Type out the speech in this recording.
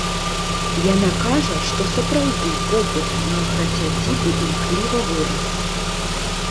Яна кажа, што, сапраўды, попыт на аграсядзібы імкліва вырас.